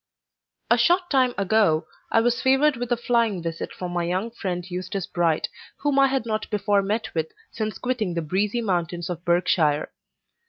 A short time ago, I was favored with a flying visit from my young friend Eustace Bright, whom I had not before met with since quitting the breezy mountains of Berkshire.